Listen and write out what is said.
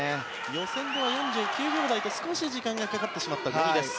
予選では４９秒台と少し時間がかかった五味です。